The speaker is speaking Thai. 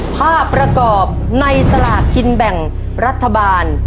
ภาพประกอบในสลากกินแบ่งรัฐบาล